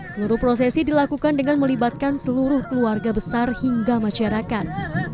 seluruh prosesi dilakukan dengan melibatkan seluruh keluarga besar hingga masyarakat